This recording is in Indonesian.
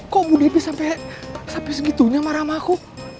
kok bu devi sampai segitunya marah sama aku